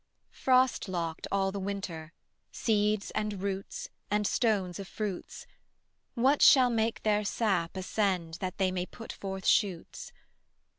Frost locked all the winter, Seeds, and roots, and stones of fruits, What shall make their sap ascend That they may put forth shoots?